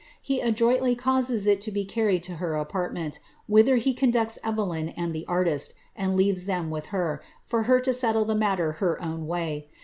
He adroidj causes it to be carried to her apartment, whither he condncta Efdyi and the artist, and leaves them with her, for her to settle the natter bs own way.